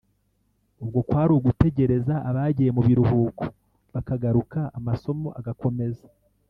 ubwo kwari ugutegereza abagiye mu biruhuko bakagaruka amasomo agakomeza